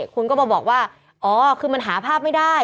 คุณก็มาบอกว่าอ๋อคือมันหาภาพไม่ได้